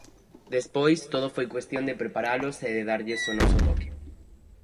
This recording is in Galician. Despois todo foi cuestión de preparalos e de darlles o noso toque.